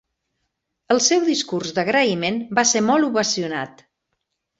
El seu discurs d'agraïment va ser molt ovacionat.